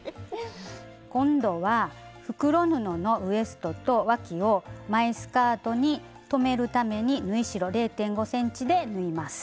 今度は袋布のウエストとわきを前スカートに留めるために縫い代０．５ｃｍで縫います。